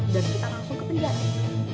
dan kita langsung ke penjara